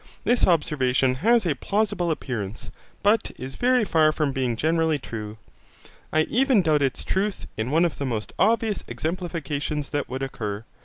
This observation has a plausible appearance, but is very far from being generally true. I even doubt its truth in one of the most obvious exemplifications that would occur.